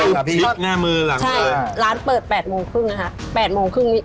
แล้วได้ขอว่าร้านพี่กุ้งกับพี่แพนเนี่ย